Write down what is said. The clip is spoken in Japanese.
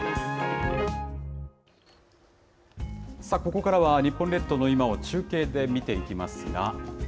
ここからは、日本列島の今を中継で見ていきますが。